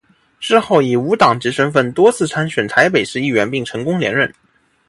之后以无党籍身分多次参选台北市议员并成功连任。